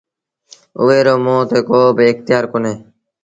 اُئي رو موٚنٚ تي ڪو با اکتيآر ڪونهي۔